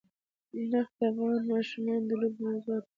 نفت د افغان ماشومانو د لوبو موضوع ده.